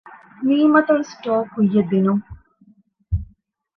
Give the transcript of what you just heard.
މ. އަތޮޅު ސްޓޯރ ކުއްޔަށް ދިނުން